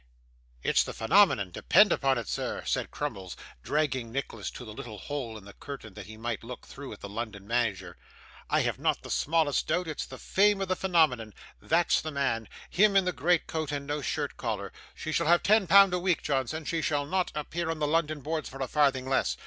'It's the phenomenon, depend upon it, sir,' said Crummles, dragging Nicholas to the little hole in the curtain that he might look through at the London manager. 'I have not the smallest doubt it's the fame of the phenomenon that's the man; him in the great coat and no shirt collar. She shall have ten pound a week, Johnson; she shall not appear on the London boards for a farthing less.